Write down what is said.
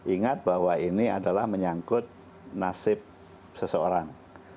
ingat bahwa ini adalah menyangkut nasib seseorang